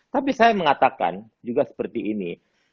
tapi saya mengatakan juga seperti ini